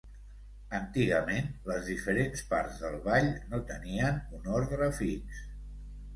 Antigament les diferents parts del ball no tenien un ordre fix.